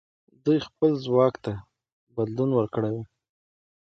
دوی خپل ځواک ته بدلون ورکړی وو.